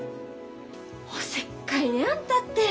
おせっかいねあんたって。